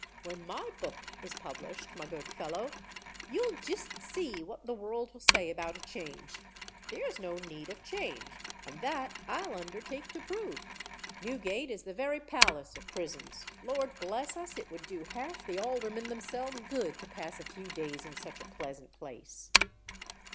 When my book is published, my good fellow, you'll jist see what the world will say about a change! There's no need of change—and that I'll undertake to prove. Newgate is the very palace of prisons. Lord bless us! it would do half the Aldermen themselves good to pass a few days in such a pleasant place."